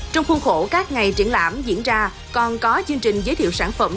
trong khuôn khổ các ngày triển lãm diễn ra còn có chương trình giới thiệu sản phẩm